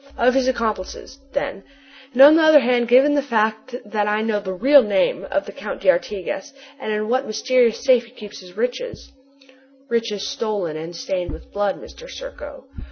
"'Of his accomplices,' then 'and on the other hand, given the fact that I know the real name of the Count d'Artigas and in what mysterious safe he keeps his riches '" "Riches stolen, and stained with blood, Mr. Serko."